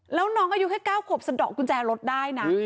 แล้วน้องก็อยู่แค่เก้าขบสะดอกกุญแจรถได้นะ